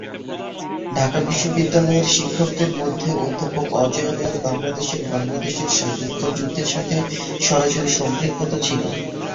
ঢাকা বিশ্ববিদ্যালয়ের শিক্ষকদের মধ্যে অধ্যাপক অজয় রায়ের বাংলাদেশের বাংলাদেশের স্বাধীনতা যুদ্ধের সাথে সরাসরি সম্পৃক্ততা ছিলো।